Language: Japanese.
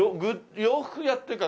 洋服屋っていうか